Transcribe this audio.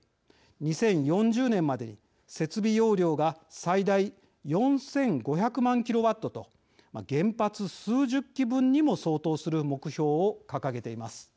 ２０４０年までに設備容量が最大４５００万ｋＷと原発数十基分にも相当する目標を掲げています。